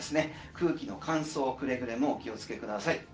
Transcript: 空気の乾燥くれぐれもお気をつけください。